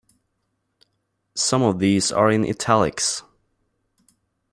Some of these are in italics.